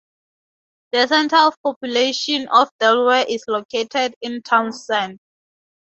The center of population of Delaware is located in Townsend.